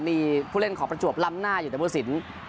มีผู้เล่นของประจวบล้ำหน้าอยู่แต่ผู้สิน